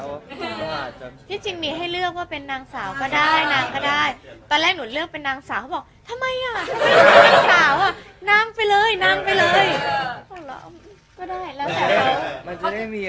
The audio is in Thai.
ผมเกิดจนถึงผมมีวันนี้